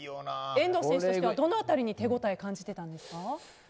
遠藤選手としてはどのあたりに手応えを感じてたんですか。